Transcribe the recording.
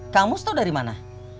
kamus tau dari mana